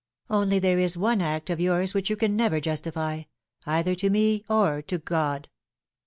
Only there is one act of yours which you can never justify either to me or to God."